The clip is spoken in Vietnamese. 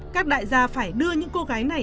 các đại gia phải đưa những cô gái này